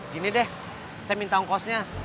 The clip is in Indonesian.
gini deh saya minta ongkosnya